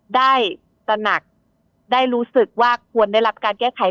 ตระหนักได้รู้สึกว่าควรได้รับการแก้ไข